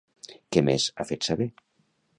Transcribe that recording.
Què més ha fet saber?